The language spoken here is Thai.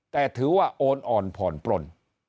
แต่ถือว่าโอนอ่อนผ่อนปลน